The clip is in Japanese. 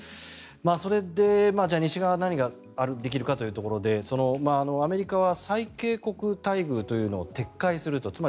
それで、西側何ができるかというところでアメリカは最恵国待遇というのを撤回すると。